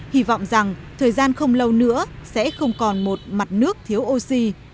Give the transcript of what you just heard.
hy vọng rằng thời gian không lâu nữa sẽ không còn một mặt nước thiếu oxy